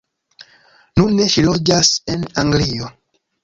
Nune ŝi loĝas en Anglio.